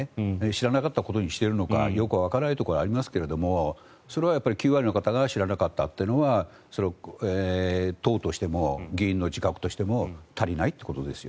知らなかったことにしているのかよくわからないことはありますがそれは９割の方が知らなかったというのは党としても議員の自覚としても足りないということです。